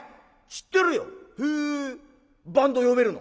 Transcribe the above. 「知ってるよ！